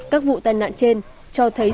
các vụ tài nạn trên cho thấy